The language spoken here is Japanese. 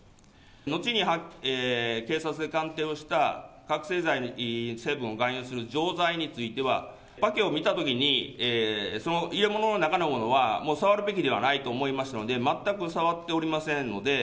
のちに警察で鑑定をした、覚醒剤の成分を含有する錠剤については、パケを見たときに、その入れ物の中のものはもう触るべきではないと思いましたので、全く触っておりませんので。